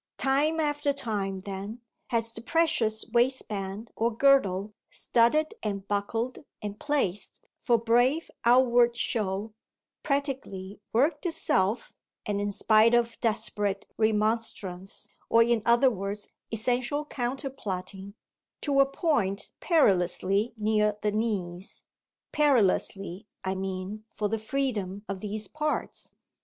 Time after time, then, has the precious waistband or girdle, studded and buckled and placed for brave outward show, practically worked itself, and in spite of desperate remonstrance, or in other words essential counterplotting, to a point perilously near the knees perilously I mean for the freedom of these parts.